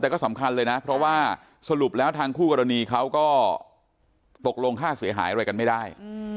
แต่ก็สำคัญเลยนะเพราะว่าสรุปแล้วทางคู่กรณีเขาก็ตกลงค่าเสียหายอะไรกันไม่ได้